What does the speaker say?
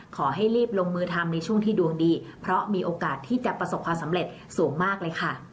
ขอให้รีบลงมือทำในช่วงที่ดวงดีเพราะมีโอกาสที่จะประสบความสำเร็จสูงมากเลยค่ะ